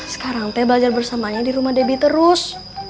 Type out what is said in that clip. sekarang teh belajar bersamanya di rumah debbie terus